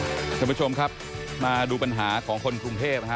คุณผู้ชมครับมาดูปัญหาของคนกรุงเทพฮะ